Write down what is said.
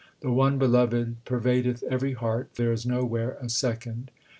The one Beloved pervadeth every heart ; there is nowhere a second.